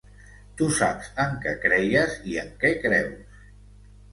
Tu saps en què creies i en què creus.